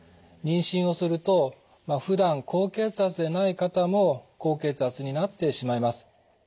妊娠をするとふだん高血圧でない方も高血圧になってしまいます。